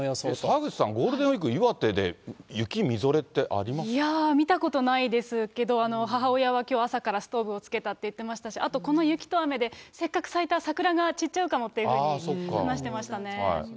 澤口さん、ゴールデンウィーク、岩手で雪、みぞれってありまいやあ、見たことないですけど、母親はきょう、朝からストーブをつけたって言ってましたし、あとこの雪と雨で、せっかく咲いた桜が散っちゃうかもっていうふうに話してましたね。